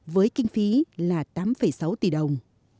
với kinh phí là tám sáu tỷ đồng